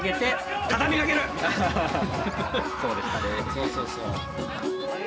そうそうそう。